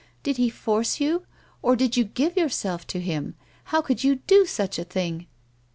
" Did he force you, or did you give yourself to him ? How could you do such a thing